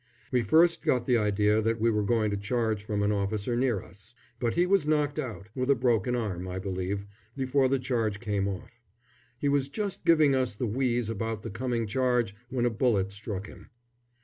We first got the idea that we were going to charge from an officer near us; but he was knocked out with a broken arm, I believe before the charge came off. He was just giving us the wheeze about the coming charge when a bullet struck him.